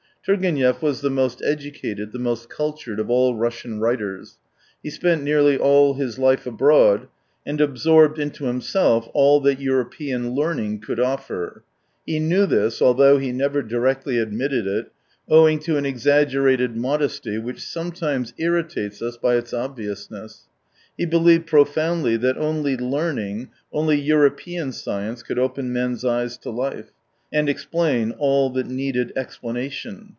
Turgenev was the most educated, the most cultured of all Russian writers. He spent nearly all his life abroad, and absorbed into himself all that European learning could offer. He knew this, although he never directly admitted it, owing to an exaggerated modesty which sometimes irritates us by its obviousness. He believed profoundly that only learning, only European science could open men's eyes to life, and explain all that needed explanation.